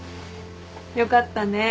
よかったね。